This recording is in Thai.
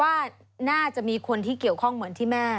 ว่าน่าจะมีคนที่เกี่ยวข้องเหมือนที่แม่